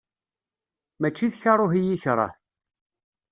Mačči d karuh i yi-ikreh.